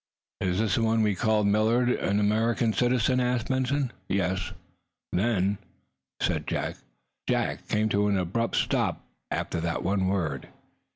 "Is the one we call Millard an American citizen?" asked Benson. "Yes." "Then " Jack came to an abrupt stop after that one word.